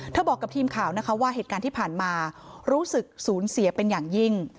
บอกกับทีมข่าวนะคะว่าเหตุการณ์ที่ผ่านมารู้สึกสูญเสียเป็นอย่างยิ่ง